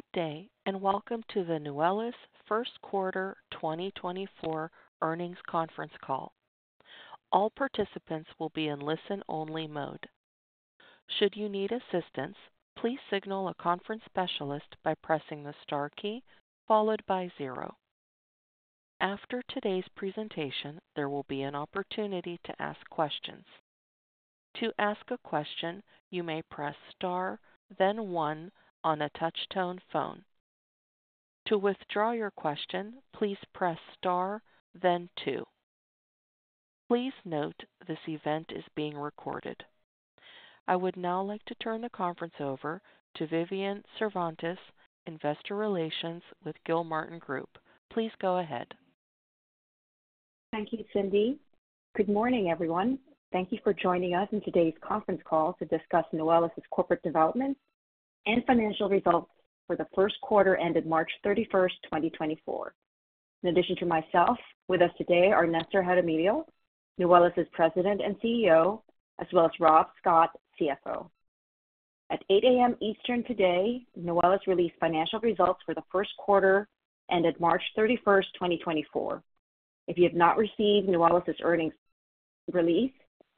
Good day and welcome to the Nuwellis' First Quarter 2024 earnings conference call. All participants will be in listen-only mode. Should you need assistance, please signal a conference specialist by pressing the star key followed by zero. After today's presentation, there will be an opportunity to ask questions. To ask a question, you may press star, then one on a touch-tone phone. To withdraw your question, please press star, then two. Please note this event is being recorded. I would now like to turn the conference over to Vivian Cervantes, Investor Relations with Gilmartin Group. Please go ahead. Thank you, Cindy. Good morning, everyone. Thank you for joining us in today's conference call to discuss Nuwellis' corporate development and financial results for the first quarter ended March 31st, 2024. In addition to myself, with us today are Nestor Jaramillo, Nuwellis's President and CEO, as well as Rob Scott, CFO. At 8:00 A.M. Eastern today, Nuwellis released financial results for the first quarter ended March 31st, 2024. If you have not received Nuwellis's earnings release,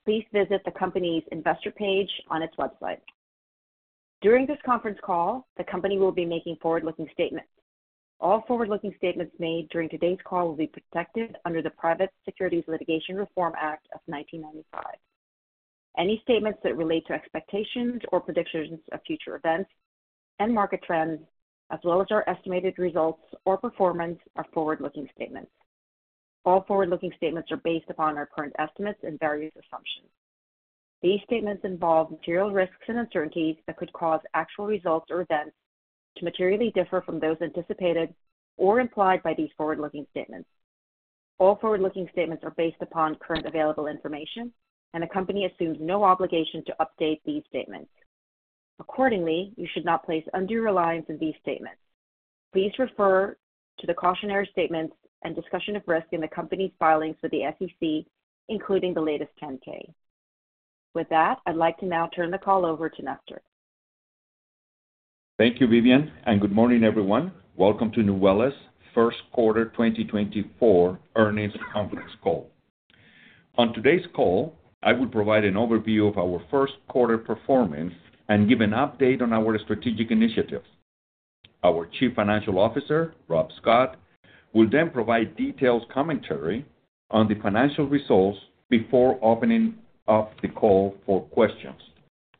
please visit the company's Investor page on its website. During this conference call, the company will be making forward-looking statements. All forward-looking statements made during today's call will be protected under the Private Securities Litigation Reform Act of 1995. Any statements that relate to expectations or predictions of future events and market trends, as well as our estimated results or performance, are forward-looking statements. All forward-looking statements are based upon our current estimates and various assumptions. These statements involve material risks and uncertainties that could cause actual results or events to materially differ from those anticipated or implied by these forward-looking statements. All forward-looking statements are based upon current available information, and the company assumes no obligation to update these statements. Accordingly, you should not place undue reliance in these statements. Please refer to the cautionary statements and discussion of risk in the company's filings with the SEC, including the latest 10-K. With that, I'd like to now turn the call over to Nestor. Thank you, Vivian, and good morning, everyone. Welcome to Nuwellis' First Quarter 2024 earnings conference call. On today's call, I will provide an overview of our first quarter performance and give an update on our strategic initiatives. Our Chief Financial Officer, Rob Scott, will then provide detailed commentary on the financial results before opening up the call for questions,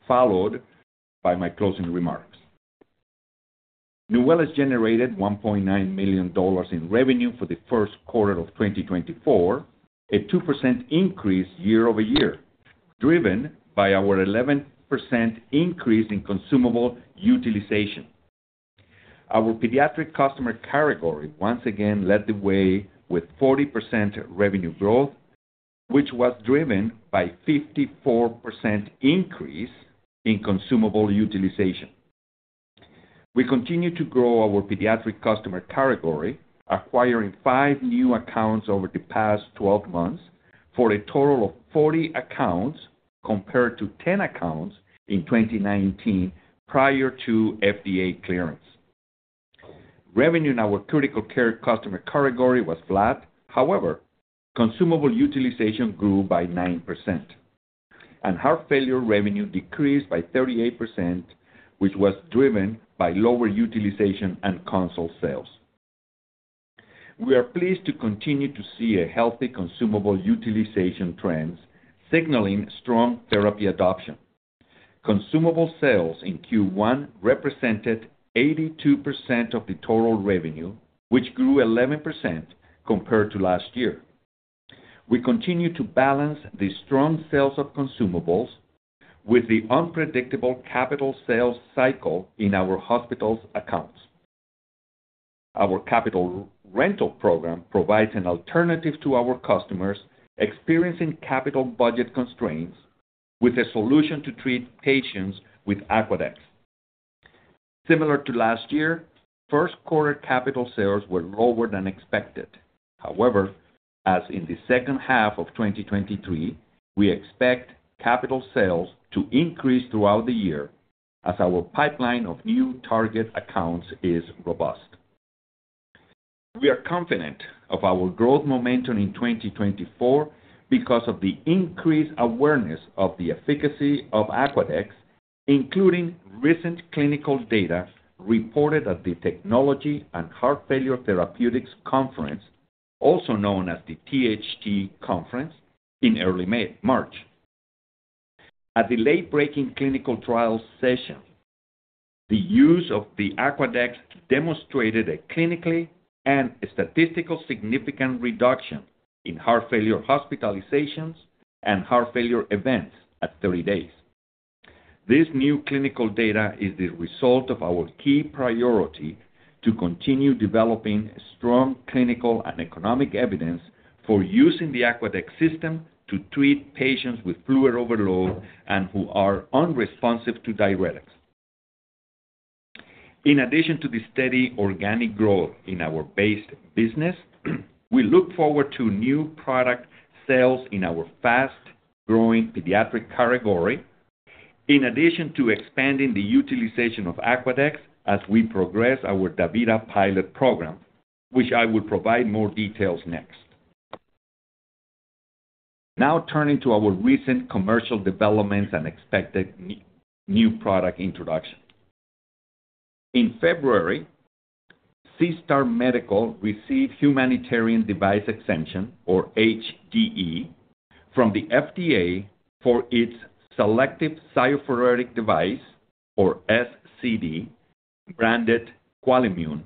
followed by my closing remarks. Nuwellis generated $1.9 million in revenue for the first quarter of 2024, a 2% increase year-over-year, driven by our 11% increase in consumable utilization. Our pediatric customer category once again led the way with 40% revenue growth, which was driven by a 54% increase in consumable utilization. We continue to grow our pediatric customer category, acquiring five new accounts over the past 12 months, for a total of 40 accounts compared to 10 accounts in 2019 prior to FDA clearance. Revenue in our critical care customer category was flat. However, consumable utilization grew by 9%, and heart failure revenue decreased by 38%, which was driven by lower utilization and console sales. We are pleased to continue to see healthy consumable utilization trends, signaling strong therapy adoption. Consumable sales in Q1 represented 82% of the total revenue, which grew 11% compared to last year. We continue to balance the strong sales of consumables with the unpredictable capital sales cycle in our hospital's accounts. Our capital rental program provides an alternative to our customers experiencing capital budget constraints with a solution to treat patients with Aquadex. Similar to last year, first quarter capital sales were lower than expected. However, as in the second half of 2023, we expect capital sales to increase throughout the year as our pipeline of new target accounts is robust. We are confident of our growth momentum in 2024 because of the increased awareness of the efficacy of Aquadex, including recent clinical data reported at the Technology and Heart Failure Therapeutics Conference, also known as the THT conference, in early March. At the late-breaking clinical trial session, the use of the Aquadex demonstrated a clinically and statistically significant reduction in heart failure hospitalizations and heart failure events at 30 days. This new clinical data is the result of our key priority to continue developing strong clinical and economic evidence for using the Aquadex system to treat patients with fluid overload and who are unresponsive to diuretics. In addition to the steady organic growth in our base business, we look forward to new product sales in our fast-growing pediatric category, in addition to expanding the utilization of Aquadex as we progress our DaVita pilot program, which I will provide more details next. Now turning to our recent commercial developments and expected new product introduction. In February, SeaStar Medical received humanitarian device exemption, or HDE, from the FDA for its selective cytopheretic device, or SCD, branded Quelimmune,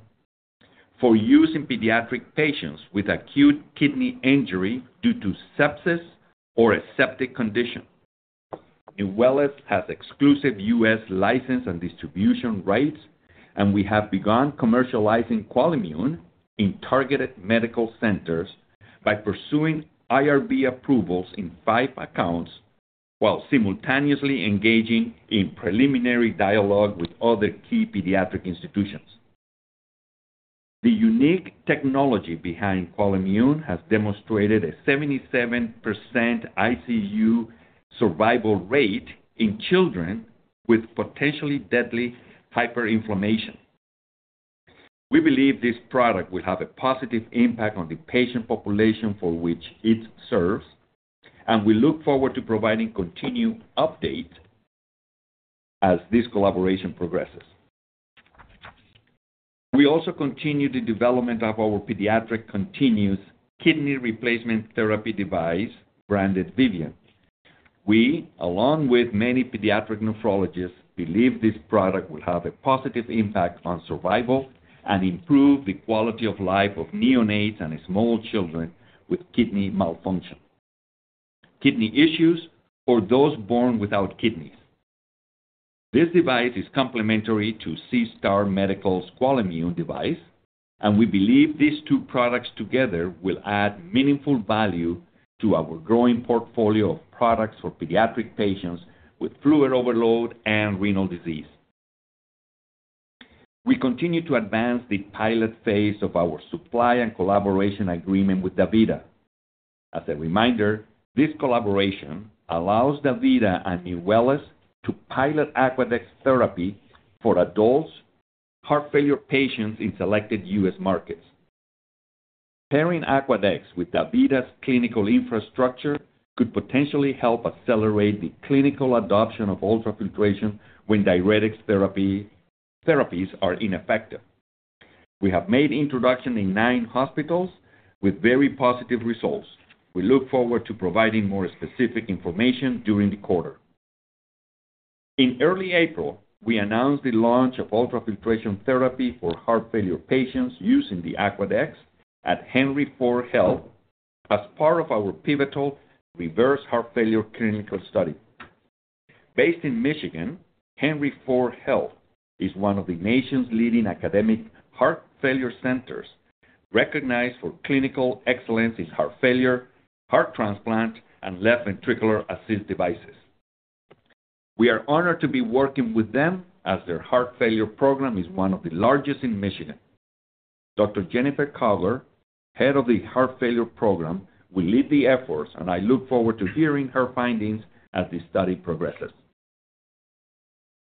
for use in pediatric patients with acute kidney injury due to sepsis or a septic condition. Nuwellis has exclusive U.S. license and distribution rights, and we have begun commercializing Quelimmune in targeted medical centers by pursuing IRB approvals in five accounts while simultaneously engaging in preliminary dialogue with other key pediatric institutions. The unique technology behind Quelimmune has demonstrated a 77% ICU survival rate in children with potentially deadly hyperinflammation. We believe this product will have a positive impact on the patient population for which it serves, and we look forward to providing continued updates as this collaboration progresses. We also continue the development of our pediatric continuous kidney replacement therapy device, branded Vivian. We, along with many pediatric nephrologists, believe this product will have a positive impact on survival and improve the quality of life of neonates and small children with kidney malfunction, kidney issues, or those born without kidneys. This device is complementary to SeaStar Medical's Quelimmune device, and we believe these two products together will add meaningful value to our growing portfolio of products for pediatric patients with fluid overload and renal disease. We continue to advance the pilot phase of our supply and collaboration agreement with DaVita. As a reminder, this collaboration allows DaVita and Nuwellis to pilot Aquadex therapy for adults' heart failure patients in selected U.S. markets. Pairing Aquadex with DaVita's clinical infrastructure could potentially help accelerate the clinical adoption of ultrafiltration when diuretics therapies are ineffective. We have made introduction in nine hospitals with very positive results. We look forward to providing more specific information during the quarter. In early April, we announced the launch of ultrafiltration therapy for heart failure patients using the Aquadex at Henry Ford Health as part of our pivotal reverse heart failure clinical study. Based in Michigan, Henry Ford Health is one of the nation's leading academic heart failure centers recognized for clinical excellence in heart failure, heart transplant, and left ventricular assist devices. We are honored to be working with them as their heart failure program is one of the largest in Michigan. Dr. Jennifer Cowger, Head of the Heart Failure Program, will lead the efforts, and I look forward to hearing her findings as the study progresses.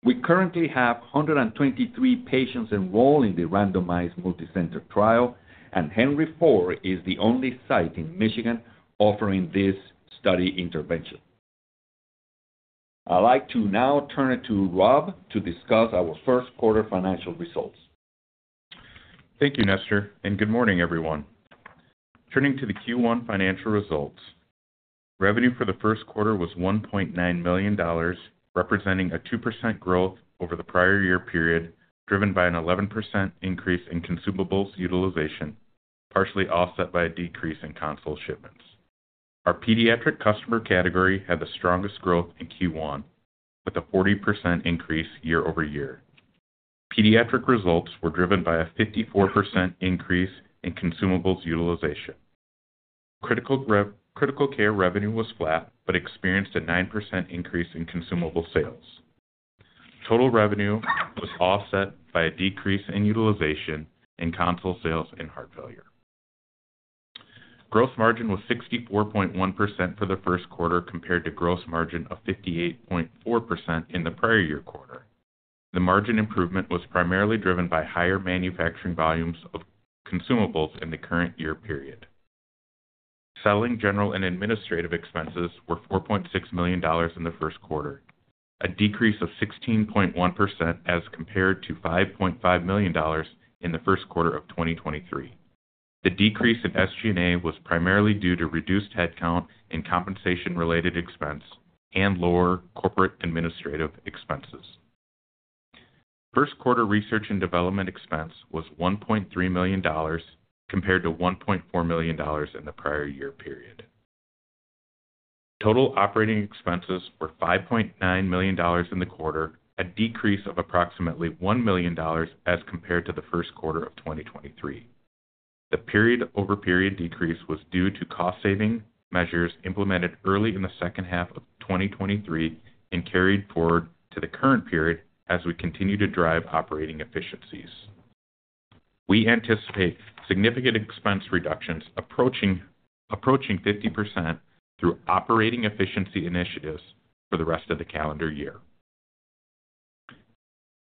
We currently have 123 patients enrolled in the randomized multicenter trial, and Henry Ford Health is the only site in Michigan offering this study intervention. I'd like to now turn it to Rob to discuss our first quarter financial results. Thank you, Nestor, and good morning, everyone. Turning to the Q1 financial results, revenue for the first quarter was $1.9 million, representing a 2% growth over the prior year period, driven by an 11% increase in consumables utilization, partially offset by a decrease in console shipments. Our pediatric customer category had the strongest growth in Q1, with a 40% increase year-over-year. Pediatric results were driven by a 54% increase in consumables utilization. Critical care revenue was flat but experienced a 9% increase in consumable sales. Total revenue was offset by a decrease in utilization in console sales in heart failure. Gross margin was 64.1% for the first quarter compared to a gross margin of 58.4% in the prior year quarter. The margin improvement was primarily driven by higher manufacturing volumes of consumables in the current year period. Selling general and administrative expenses were $4.6 million in the first quarter, a decrease of 16.1% as compared to $5.5 million in the first quarter of 2023. The decrease in SG&A was primarily due to reduced headcount and compensation-related expense and lower corporate administrative expenses. First quarter research and development expense was $1.3 million compared to $1.4 million in the prior year period. Total operating expenses were $5.9 million in the quarter, a decrease of approximately $1 million as compared to the first quarter of 2023. The period-over-period decrease was due to cost-saving measures implemented early in the second half of 2023 and carried forward to the current period as we continue to drive operating efficiencies. We anticipate significant expense reductions approaching 50% through operating efficiency initiatives for the rest of the calendar year.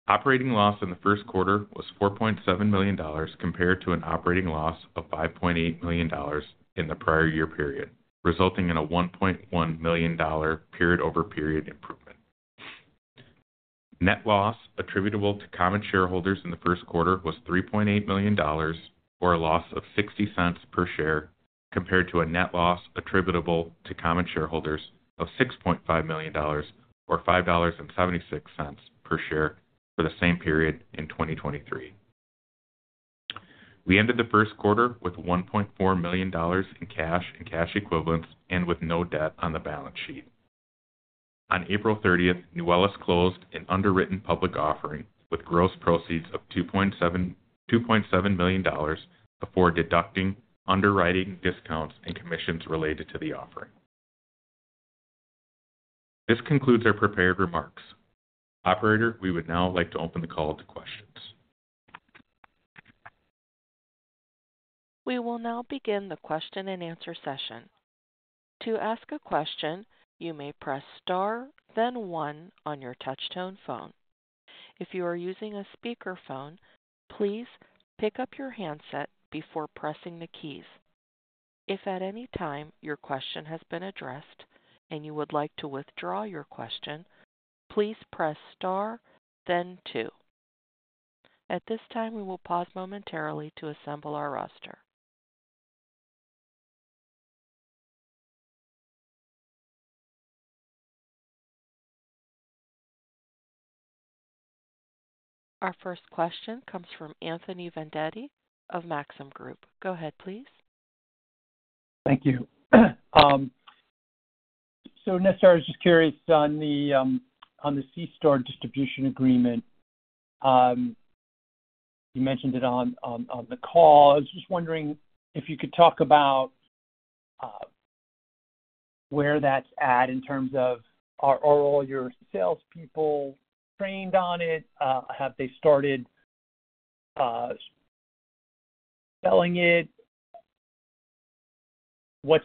Operating loss in the first quarter was $4.7 million compared to an operating loss of $5.8 million in the prior year period, resulting in a $1.1 million period-over-period improvement. Net loss attributable to common shareholders in the first quarter was $3.8 million, or a loss of $0.60 per share compared to a net loss attributable to common shareholders of $6.5 million, or $5.76 per share for the same period in 2023. We ended the first quarter with $1.4 million in cash and cash equivalents and with no debt on the balance sheet. On April 30th, Nuwellis closed an underwritten public offering with gross proceeds of $2.7 million before deducting underwriting discounts and commissions related to the offering. This concludes our prepared remarks. Operator, we would now like to open the call to questions. We will now begin the question-and-answer session. To ask a question, you may press pound then one on your touch-tone phone. If you are using a speakerphone, please pick up your handset before pressing the keys. If at any time your question has been addressed and you would like to withdraw your question, please press pound then two. At this time, we will pause momentarily to assemble our roster. Our first question comes from Anthony Vendetti of Maxim Group. Go ahead, please. Thank you. So, Nestor, I was just curious on the SeaStar distribution agreement. You mentioned it on the call. I was just wondering if you could talk about where that's at in terms of are all your salespeople trained on it? Have they started selling it? Do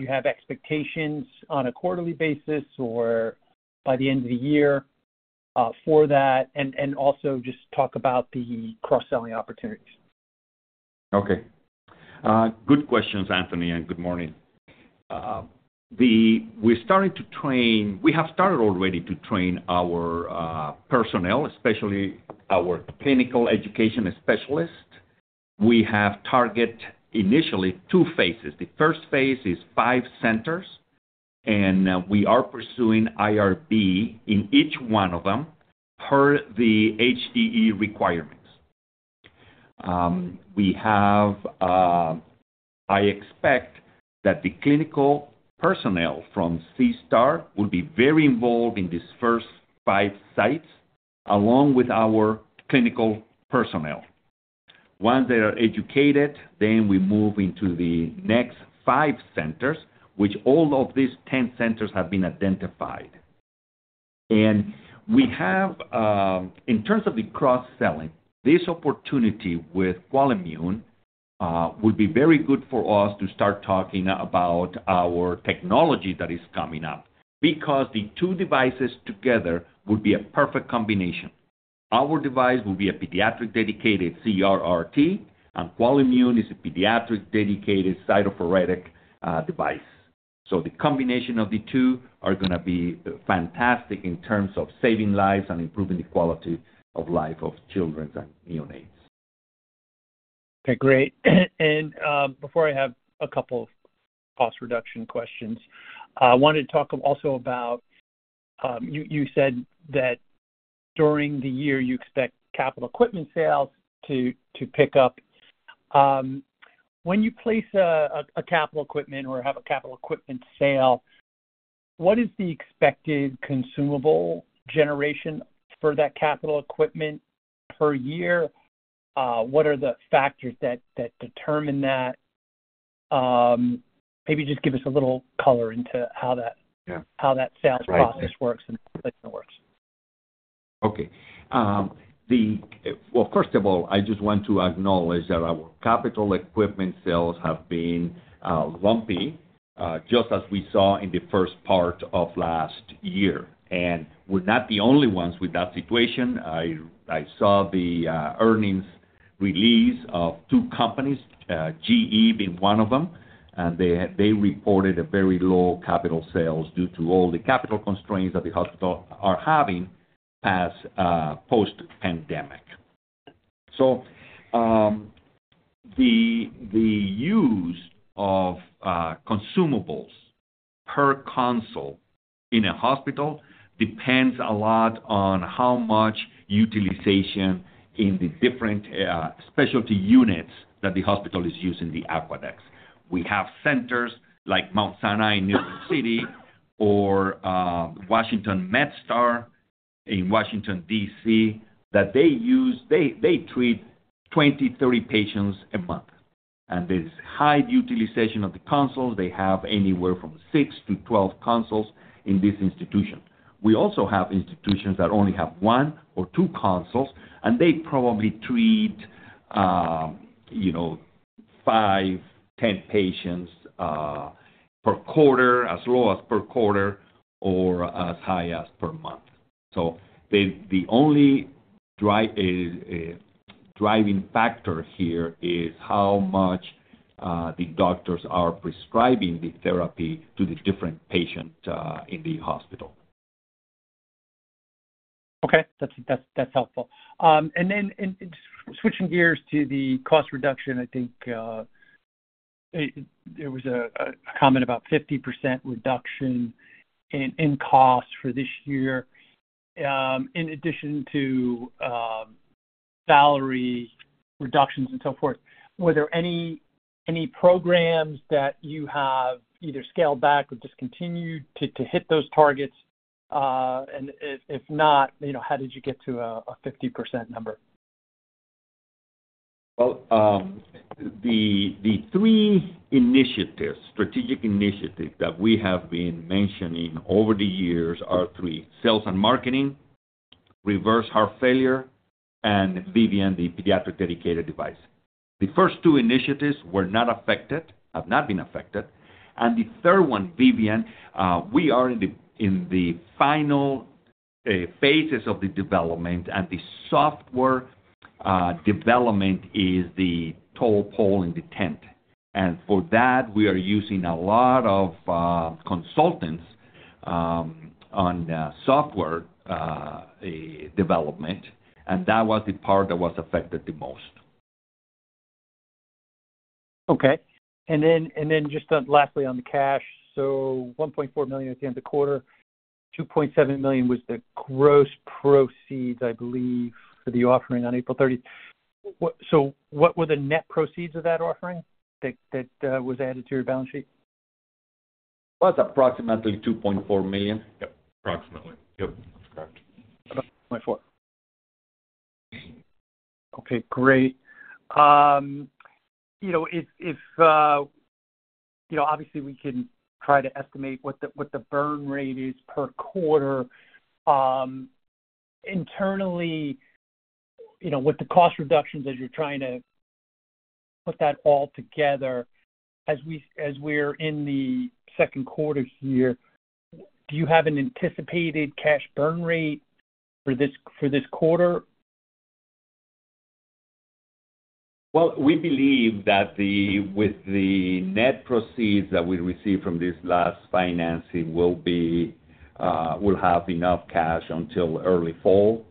you have expectations on a quarterly basis or by the end of the year for that? And also just talk about the cross-selling opportunities. Okay. Good questions, Anthony, and good morning. We have started already to train our personnel, especially our clinical education specialists. We have targeted initially two phases. The first phase is five centers, and we are pursuing IRB in each one of them per the HDE requirements. I expect that the clinical personnel from SeaStar will be very involved in these first five sites along with our clinical personnel. Once they are educated, then we move into the next five centers, which all of these 10 centers have been identified. And in terms of the cross-selling, this opportunity with Quelimmune would be very good for us to start talking about our technology that is coming up because the two devices together would be a perfect combination. Our device will be a pediatric dedicated CRRT, and Quelimmune is a pediatric dedicated cytopheretic device. The combination of the two are going to be fantastic in terms of saving lives and improving the quality of life of children and neonates. Okay, great. Before I have a couple of cost-reduction questions, I wanted to talk also about you said that during the year you expect capital equipment sales to pick up. When you place a capital equipment or have a capital equipment sale, what is the expected consumable generation for that capital equipment per year? What are the factors that determine that? Maybe just give us a little color into how that sales process works and how placement works. Okay. Well, first of all, I just want to acknowledge that our capital equipment sales have been lumpy, just as we saw in the first part of last year. We're not the only ones with that situation. I saw the earnings release of two companies, GE being one of them, and they reported very low capital sales due to all the capital constraints that the hospital are having post-pandemic. The use of consumables per console in a hospital depends a lot on how much utilization in the different specialty units that the hospital is using the Aquadex. We have centers like Mount Sinai in New York City or MedStar Washington in Washington, D.C. that they use. They treat 20, 30 patients a month. And there's high utilization of the consoles. They have anywhere from six to 12 consoles in this institution. We also have institutions that only have one or two consoles, and they probably treat five, 10 patients per quarter, as low as per quarter or as high as per month. So the only driving factor here is how much the doctors are prescribing the therapy to the different patients in the hospital. Okay, that's helpful. And then switching gears to the cost reduction, I think there was a comment about 50% reduction in costs for this year, in addition to salary reductions and so forth. Were there any programs that you have either scaled back or discontinued to hit those targets? And if not, how did you get to a 50% number? Well, the three strategic initiatives that we have been mentioning over the years are three: sales and marketing, reverse heart failure, and Vivian, the pediatric dedicated device. The first two initiatives were not affected, have not been affected. The third one, Vivian, we are in the final phases of the development, and the software development is the tent pole in the tent. And for that, we are using a lot of consultants on software development, and that was the part that was affected the most. Okay. And then just lastly on the cash, so $1.4 million at the end of the quarter, $2.7 million was the gross proceeds, I believe, for the offering on April 30th. So what were the net proceeds of that offering that was added to your balance sheet? Well, it's approximately $2.4 million. Yep, approximately. Yep, that's correct. About 2.4. Okay, great. Obviously, we can try to estimate what the burn rate is per quarter. Internally, with the cost reductions, as you're trying to put that all together, as we're in the second quarter here, do you have an anticipated cash burn rate for this quarter? Well, we believe that with the net proceeds that we receive from this last financing, we'll have enough cash until early fall,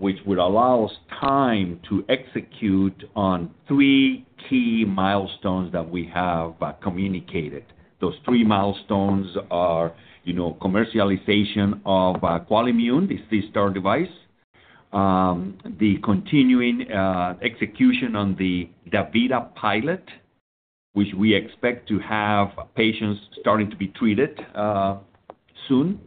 which would allow us time to execute on three key milestones that we have communicated. Those three milestones are commercialization of Quelimmune, the SeaStar device, the continuing execution on the DaVita pilot, which we expect to have patients starting to be treated soon,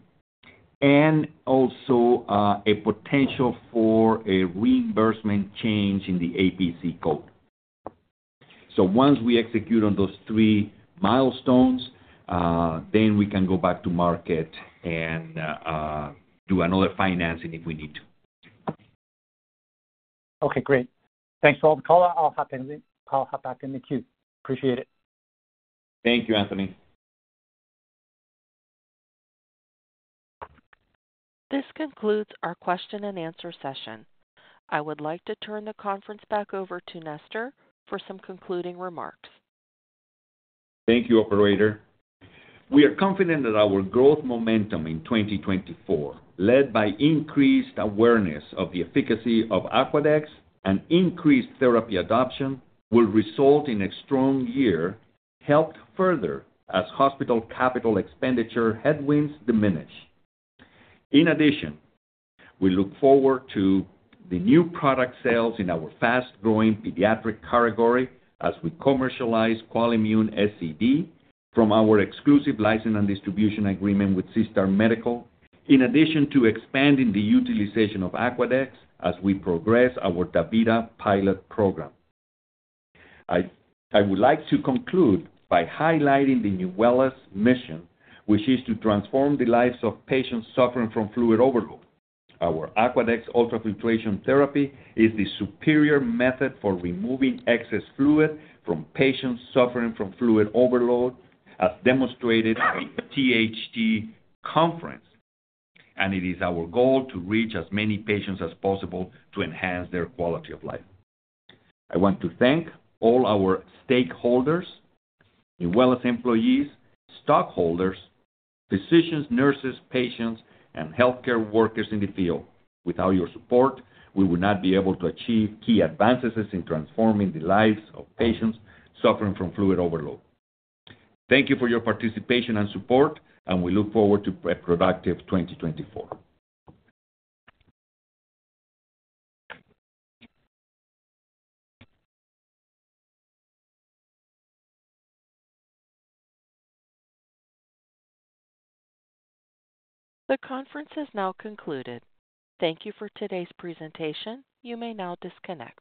and also a potential for a reimbursement change in the APC code. So once we execute on those three milestones, then we can go back to market and do another financing if we need to. Okay, great. Thanks for the call. I'll hop back in the queue. Appreciate it. Thank you, Anthony. This concludes our question-and-answer session. I would like to turn the conference back over to Nestor for some concluding remarks. Thank you, Operator. We are confident that our growth momentum in 2024, led by increased awareness of the efficacy of Aquadex and increased therapy adoption, will result in a strong year helped further as hospital capital expenditure headwinds diminish. In addition, we look forward to the new product sales in our fast-growing pediatric category as we commercialize Quelimmune SCD from our exclusive license and distribution agreement with SeaStar Medical, in addition to expanding the utilization of Aquadex as we progress our DaVita pilot program. I would like to conclude by highlighting the Nuwellis mission, which is to transform the lives of patients suffering from fluid overload. Our Aquadex ultrafiltration therapy is the superior method for removing excess fluid from patients suffering from fluid overload, as demonstrated at the THT conference, and it is our goal to reach as many patients as possible to enhance their quality of life. I want to thank all our stakeholders, Nuwellis employees, stockholders, physicians, nurses, patients, and healthcare workers in the field. Without your support, we would not be able to achieve key advances in transforming the lives of patients suffering from fluid overload. Thank you for your participation and support, and we look forward to a productive 2024. The conference has now concluded. Thank you for today's presentation. You may now disconnect.